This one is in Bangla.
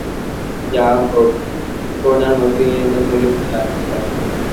যাহা হউক, করুণার মুখ দিনে দিনে মলিন হইয়া আসিতে লাগিল।